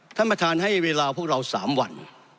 ท่านประธานให้เวลาพวกเรา๓วัน